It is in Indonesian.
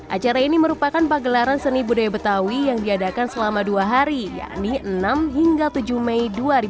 acara ini merupakan pagelaran seni budaya betawi yang diadakan selama dua hari yakni enam hingga tujuh mei dua ribu dua puluh